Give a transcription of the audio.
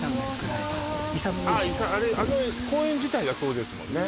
あれあの公園自体がそうですもんね